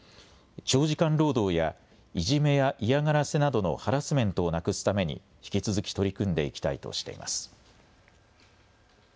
長時間労働やいじめや嫌がらせなどのハラスメントをなくすために引き続き取り組んでいきたいとしています。